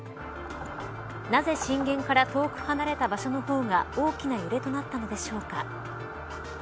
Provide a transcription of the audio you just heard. なぜ震源から遠く離れた場所の方が大きな揺れとなったのでしょうか。